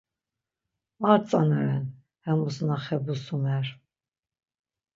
Ar tzana ren, hemus na xe busumer.